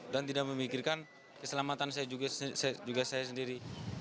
dan tidak memikirkan keselamatan saya juga sendiri